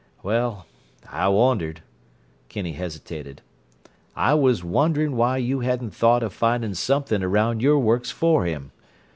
"Well—I wondered—" Kinney hesitated. "I was wondering why you hadn't thought of finding something around your works for him.